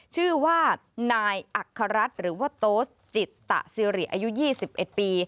ชื่อว่านายอัครรัฐหรือว่าโต๊สจิตตะซิริอายุ๒๑ปี